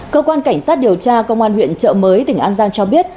cơ quan cảnh sát điều tra công an huyện trợ mới tỉnh an giang cho biết